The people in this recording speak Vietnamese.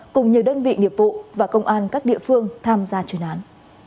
cùng nhiều đơn vị nghiệp vụ và công an các địa phương tham gia chuyên án